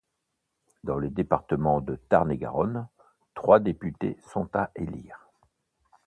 Dans le département de Tarn-et-Garonne, trois députés sont à élire.